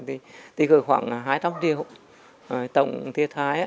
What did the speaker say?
thì gửi khoảng hai trăm linh triệu tổng thiệt hại